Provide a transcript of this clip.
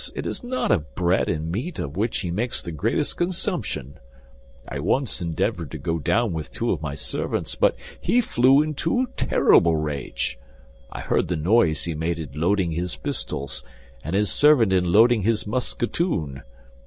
It is not of bread and meat of which he makes the greatest consumption. I once endeavored to go down with two of my servants; but he flew into terrible rage. I heard the noise he made in loading his pistols, and his servant in loading his musketoon.